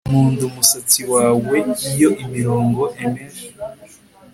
nkunda umusatsi wawe iyo imirongo enmesh